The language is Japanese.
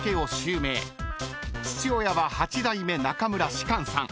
［父親は８代目中村芝翫さん］